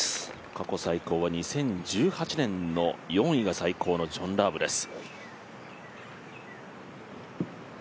過去最高は２０１８年の４位が最高のジョン・ラームです。